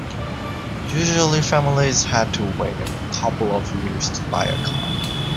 Usually families had to wait a couple of years to buy a car.